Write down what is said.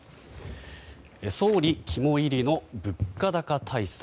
総理肝煎りの物価高対策。